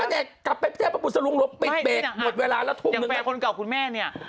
หมดเวลาละทุมนึงแน่น่ะอย่างแบบคนเก่าคุณแม่นี่